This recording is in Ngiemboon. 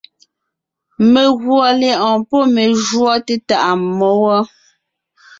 Meguɔ lyɛ̌ʼɔɔn pɔ́ me júɔ té tàʼa mmó wɔ.